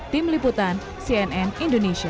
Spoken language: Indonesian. tim liputan cnn indonesia